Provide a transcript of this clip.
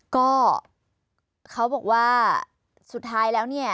ก็เขาบอกว่าสุดท้ายแล้วเนี่ย